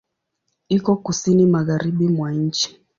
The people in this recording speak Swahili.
Iko Kusini magharibi mwa nchi.